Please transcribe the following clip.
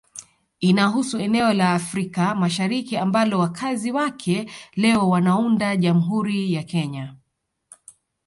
Inahusu eneo la Afrika Mashariki ambalo wakazi wake leo wanaunda Jamhuri ya Kenya